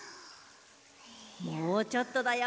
もうちょっとだよ。